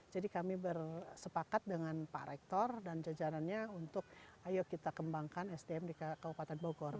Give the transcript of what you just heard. jadi kami bersepakat dengan pak rektor dan jajarannya untuk ayo kita kembangkan sdm di kabupaten bogor